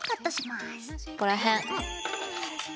ここらへん。